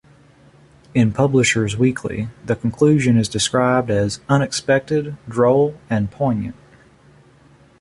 In "Publishers Weekly", the conclusion is described as "unexpected, droll, and poignant".